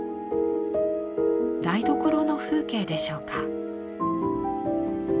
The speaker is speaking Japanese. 台所の風景でしょうか。